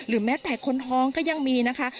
และคนฮองก็ยังมีนะคะ